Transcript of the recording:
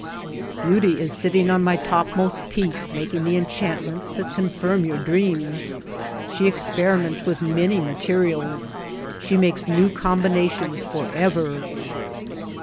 "Beauty is sitting on my topmost peak making the enchantments that confirm your dreams. She experiments with many ma terials; she makes new combinations for ever.